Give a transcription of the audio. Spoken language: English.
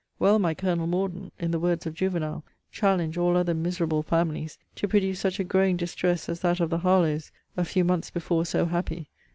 Well might Colonel Morden, in the words of Juvenal, challenge all other miserable families to produce such a growing distress as that of the Harlowes (a few months before so happy!)